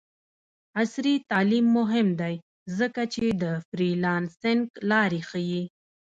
عصري تعلیم مهم دی ځکه چې د فریلانسینګ لارې ښيي.